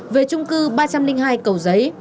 về trung cư ba trăm linh hai cầu giấy